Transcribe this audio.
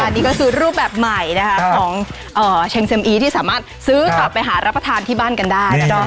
นี่ก็คือรูปแบบใหม่ของเชงเซ็มอีที่สามารถซื้อกลับไปหารับประทานที่บ้านกันได้